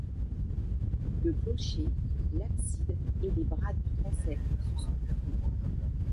Le clocher, l'abside et les bras du transept se sont effondrés.